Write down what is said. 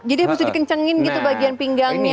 jadi harus dikencengin gitu bagian pinggangnya ya